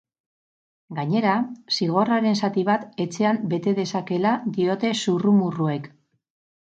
Gainera, zigorraren zati bat etxean bete dezakeela diote zurrumurruek.